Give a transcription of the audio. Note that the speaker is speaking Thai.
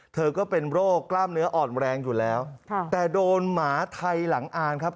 เธอก็เป็นโรคกล้ามเนื้ออ่อนแรงอยู่แล้วแต่โดนหมาไทยหลังอ่านครับ